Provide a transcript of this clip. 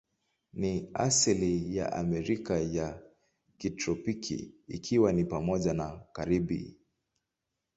Ni asili ya Amerika ya kitropiki, ikiwa ni pamoja na Karibi.